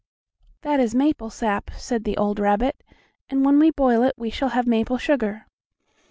"That is maple sap," said the old rabbit, "and when we boil it we shall have maple sugar.